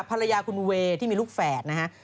ภรรยาคุณเวย์ที่มีลูกแฝดนะฮะ